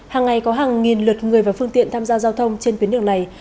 hàng ngày có hàng nghìn lượt người và phương tiện tham gia giao thông trên tuyến đường này